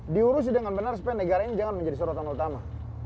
diurusi dengan benar supaya negara ini jangan menjadi sorotan utama